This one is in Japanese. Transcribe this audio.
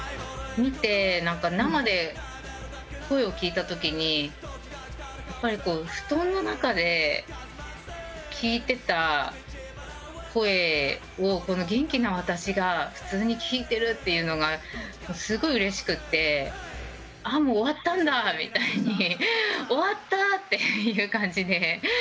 見て、生で声を聞いたときに布団の中で聞いてた声を元気な私が普通に聞いてるっていうのがすごいうれしくて、あ、もう終わったんだみたいに、終わった！みたいな感じで。